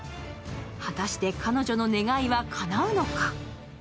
果たして彼女の願いはかなうのか？